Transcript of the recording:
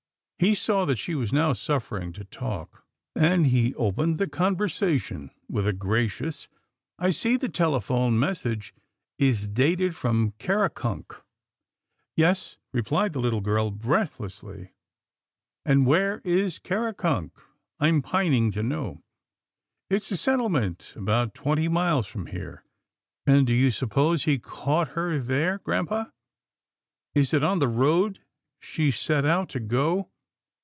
He saw that she was now suffering to talk, and he opened the conversation with a gracious, " I see the telephone message is dated from Karakunk." " Yes," replied the little girl breathlessly, " and where is Karakunk? I'm pining to know." " It's a settlement about twenty miles from here." " And do you suppose he caught her there, grampa? — is it on the road she set out to go?